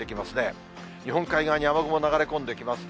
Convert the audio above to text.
日本海側に雨雲が流れ込んできます。